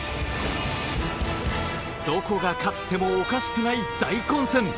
どこが勝ってもおかしくない大混戦。